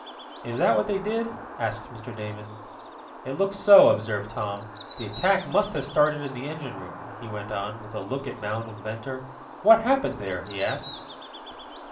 "Is that what they did?" asked Mr. Damon. "It looks so," observed Tom. "The attack must have started in the engine room," he went on, with a look at Mound and Ventor. "What happened there?" he asked.